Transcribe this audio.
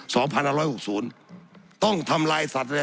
สับขาหลอกกันไปสับขาหลอกกันไป